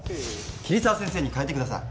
桐沢先生に代えてください。